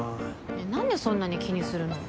ねえなんでそんなに気にするの？